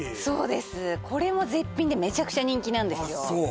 そうですこれも絶品でめちゃくちゃ人気なんですよ